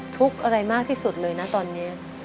ทุกข์อะไรมากที่สุดเลยนะตอนนี้